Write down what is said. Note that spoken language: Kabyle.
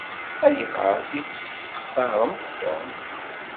Ayɣer i testaxṛemt Tom?